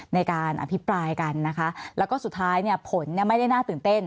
ในการอภิปรายกันนะคะแล้วก็สุดท้ายเนี่ยผลเนี่ยไม่ได้น่าตื่นเต้น